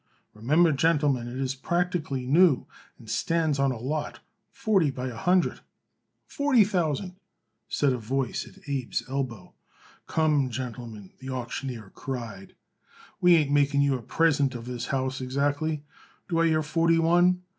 Remember, gentlemen, it is practically new and stands on a lot forty by a hundred." "Forty thousand," said a voice at Abe's elbow. "Come, gentlemen," the auctioneer cried, "we ain't making you a present of this house, exactly. Do I hear forty one?